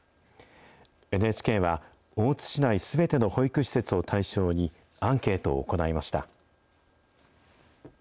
ＮＨＫは、大津市内すべての保育施設を対象に、アンケートを行いました。